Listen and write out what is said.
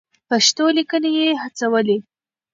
پښتو ليکنې يې هڅولې.